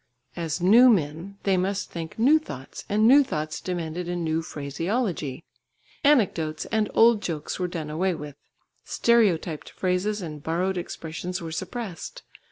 As new men, they must think new thoughts, and new thoughts demanded a new phraseology. Anecdotes and old jokes were done away with; stereotyped phrases and borrowed expressions were suppressed.